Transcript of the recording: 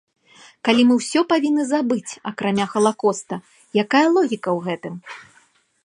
Калі мы ўсё павінны забыць, акрамя халакоста, якая логіка ў гэтым?